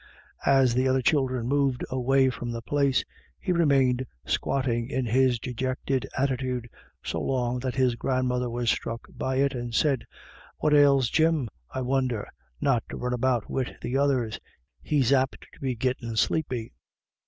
As the other children moved away from the place, he remained squatting in his dejected attitude so long that his grandmother was struck by it, and said: "What ails Jim, I wonder, not to run about wid the others ? He's apt to be gittin' sleepy."